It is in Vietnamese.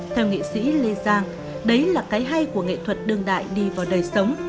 theo nghệ sĩ lê giang đấy là cái hay của nghệ thuật đương đại đi vào đời sống